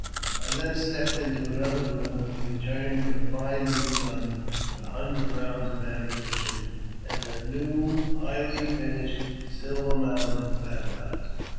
I then stepped into another room, and returned with a fine new gun, with a hundred rounds of ammunition, and a new, highly finished, silver mounted battle axe.